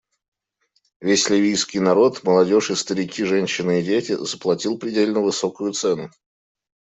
Весь ливийский народ — молодежь и старики, женщины и дети — заплатил предельно высокую цену.